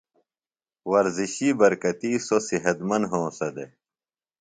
ورزشی برکتی سوۡ صحت مند ہونسہ دےۡ۔